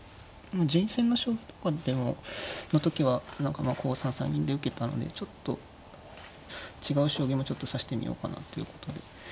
順位戦の将棋とかでもの時は何かまあこう３三銀で受けたのでちょっと違う将棋もちょっと指してみようかなということで。